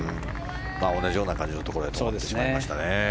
同じようなところで止まってしまいましたね。